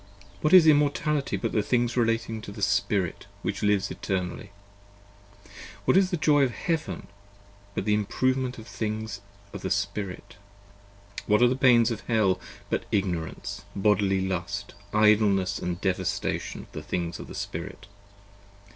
What is Immortality but the things relating to the Spirit, which Lives Eternally? What is the Joy of Heaven but Im provement in the things of the Spirit? What are the Pains of Hell but Ignor 30 ance, Bodily Lust, Idleness & devastation of the things of the Spirit?